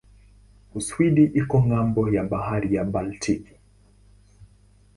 Uswidi iko ng'ambo ya bahari ya Baltiki.